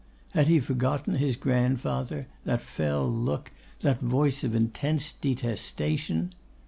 Had he forgotten his grandfather, that fell look, that voice of intense detestation?